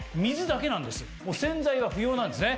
洗剤は不要なんですね。